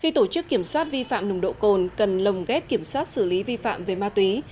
khi tổ chức kiểm soát vi phạm nồng độ cồn cần lồng ghép kiểm soát xử lý vi phạm về ma túy